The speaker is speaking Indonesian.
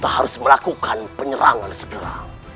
harus melakukan penyerangan segera